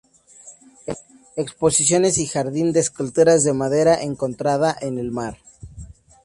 Exposiciones y jardín de esculturas de madera encontrada en el mar.